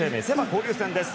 交流戦です。